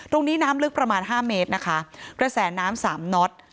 ตรงนี้น้ำลึกประมาณ๕เมตรนะคะระแสน้ำ๓น็อต